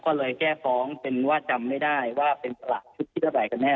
ก็เลยแก้ฟ้องเป็นว่าจำไม่ได้ว่าเป็นสลากชุดที่เท่าไหร่กันแน่